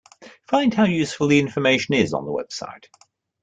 Find how useful the information is on the website.